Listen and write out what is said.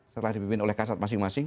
setelah dipimpin oleh kasat masing masing